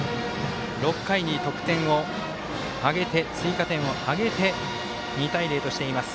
６回に追加点を挙げて２対０としています。